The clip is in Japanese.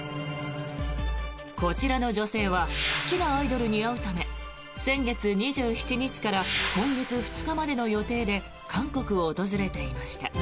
こちらの女性は好きなアイドルに会うため先月２７日から今月２日までの予定で韓国を訪れていました。